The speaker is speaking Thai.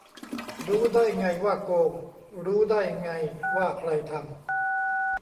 รู้ได้ไงว่าโกง รู้ได้ไงว่าใครทำ ?